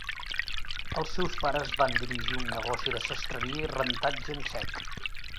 Els seus pares van dirigir un negoci de sastreria i rentatge en sec.